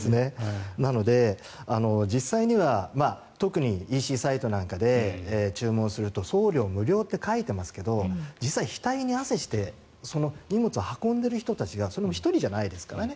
なので、実際には特にＥＣサイトなんかで注文すると送料無料って書いてますけど実は額に汗して荷物を運んでいる人がそれも１人じゃないですからね。